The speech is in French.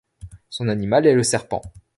Son animal est le serpent.